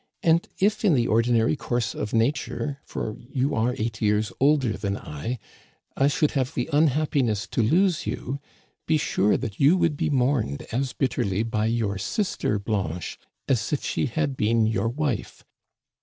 And if, in the ordi nary course of nature (for you are eight years older than I), I should have the unhappiness to lose you, be sure that you would be mourned as bitterly by your sister Blanche as if she had been your wife.